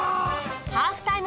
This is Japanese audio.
ハーフタイム